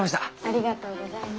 ありがとうございます。